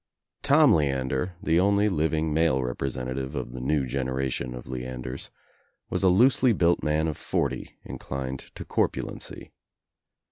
140 THE TRIUMPH OF THE EGG Tom Leander, the only living male representative of the new generation of Leanders, was a looself built man of forty inclined to corpulency.